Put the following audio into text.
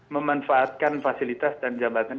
memanfaatkan fasilitas dan jabatan